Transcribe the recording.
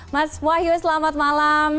mas wahyu selamat malam